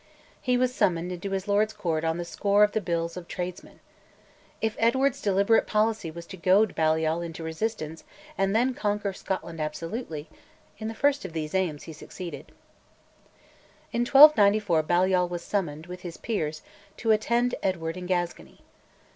He was summoned into his Lord's Court on the score of the bills of tradesmen. If Edward's deliberate policy was to goad Balliol into resistance and then conquer Scotland absolutely, in the first of these aims he succeeded. In 1294 Balliol was summoned, with his Peers, to attend Edward in Gascony.